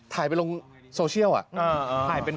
ถ่ายไปลงโซเชียลถ่ายเป็น